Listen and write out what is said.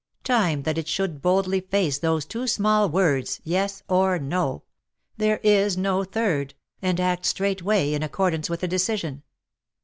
Time that it should boldly face those two small words yes or no — there is no third — and act straightway in accordance with a decision.